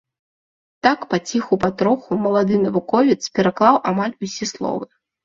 Так паціху-патроху малады навуковец пераклаў амаль усе словы.